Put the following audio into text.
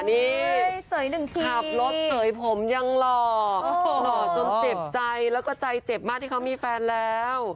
นี่ขับรถเสยผมยังหล่อหล่อจนเจ็บใจแล้วก็ใจเจ็บมากที่เขามีแฟนแล้ว